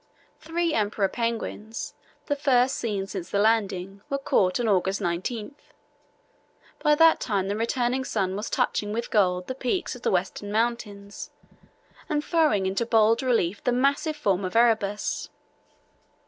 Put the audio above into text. Three emperor penguins, the first seen since the landing, were caught on August 19. By that time the returning sun was touching with gold the peaks of the Western Mountains and throwing into bold relief the massive form of Erebus.